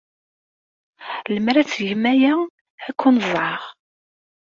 Lemmer ad tgem aya, ad ken-ẓẓɛeɣ.